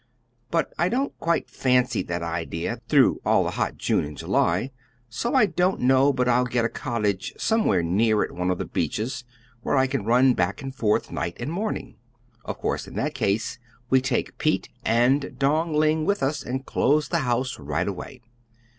But I don't quite fancy that idea through all the hot June and July so I don't know but I'll get a cottage somewhere near at one of the beaches, where I can run back and forth night and morning. Of course, in that case, we take Pete and Dong Ling with us and close the house right away.